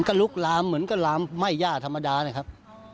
ก็ลุกลามเหมือนก็ลามไหม้ย่าธรรมดานะครับ